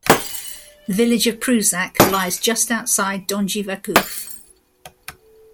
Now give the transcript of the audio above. The village of Prusac lies just outside Donji Vakuf.